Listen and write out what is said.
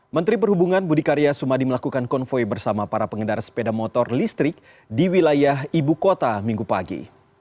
menteri perhubungan budi karya sumadi melakukan konvoy bersama para pengendara sepeda motor listrik di wilayah ibu kota minggu pagi